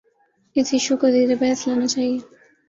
اس issue کو زیربحث لانا چاہیے۔